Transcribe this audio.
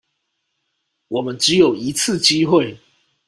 我們只有一次機會